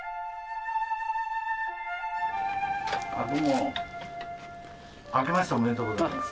どうもあけましておめでとうございます。